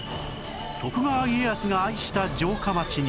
徳川家康が愛した城下町に